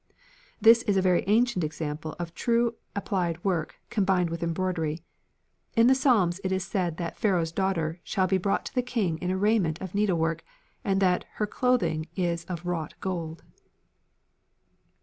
This is a very ancient example of true applied work combined with embroidery. In the Psalms it is said that Pharaoh's daughter shall be brought to the king in a raiment of needlework and that "her clothing is of wrought gold."